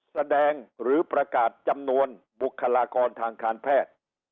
แสดงหรือประกาศจำนวนบุคลากรทางการแพทย์